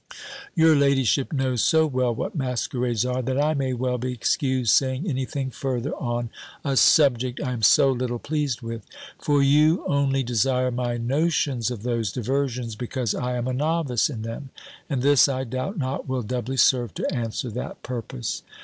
Your ladyship knows so well what masquerades are, that I may well be excused saying any thing further on a subject I am so little pleased with: for you only desire my notions of those diversions, because I am a novice in them; and this, I doubt not, will doubly serve to answer that purpose.